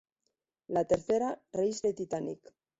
La tercera, "Raise the Titanic!